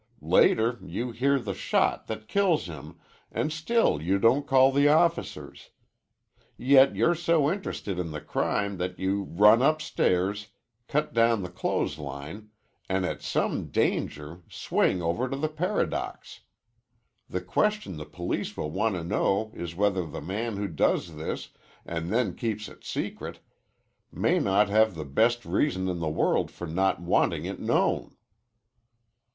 Later, you hear the shot that kills him an' still you don't call the officers. Yet you're so interested in the crime that you run upstairs, cut down the clothes line, an' at some danger swing over to the Paradox. The question the police will want to know is whether the man who does this an' then keeps it secret may not have the best reason in the world for not wanting it known."